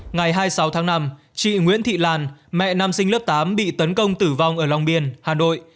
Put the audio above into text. ngày hai mươi sáu tháng năm chị nguyễn thị lan mẹ nam sinh lớp tám bị tấn công tử vong ở long biên hà nội